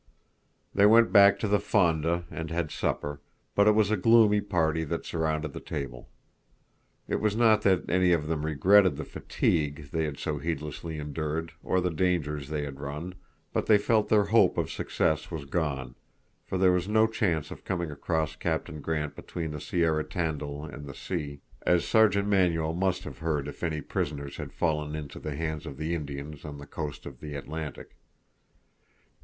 They went back to the FONDA, and had supper; but it was a gloomy party that surrounded the table. It was not that any one of them regretted the fatigue they had so heedlessly endured or the dangers they had run, but they felt their hope of success was gone, for there was no chance of coming across Captain Grant between the Sierra Tandil and the sea, as Sergeant Manuel must have heard if any prisoners had fallen into the hands of the Indians on the coast of the Atlantic.